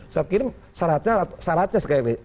saya pikir saratnya